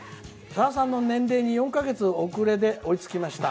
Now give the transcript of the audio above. さださんの年齢に４か月遅れて追いつきました。